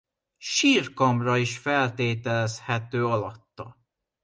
Sírkamra is feltételezhető alatta.